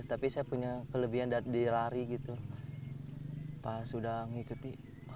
tapi saya punya kelebihan dilari gitu pas sudah mengikuti